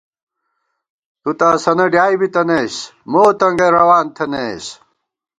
تُو تہ اسَنہ ڈیائے بِتَنَئیس مو تنگَئ روان تھنَئیس